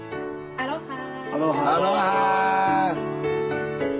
アロハー。